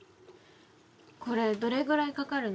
これどれぐらいかかるの？